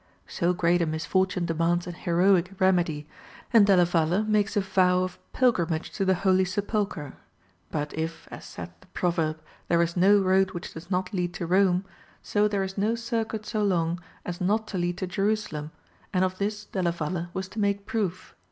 So great a misfortune demands an heroic remedy, and Della Valle makes a vow of pilgrimage to the Holy Sepulchre. But if, as saith the proverb, there is no road which does not lead to Rome, so there is no circuit so long as not to lead to Jerusalem, and of this Della Valle was to make proof.